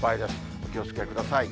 お気をつけください。